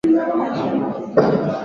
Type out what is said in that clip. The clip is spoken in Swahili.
Maji yanatiririka .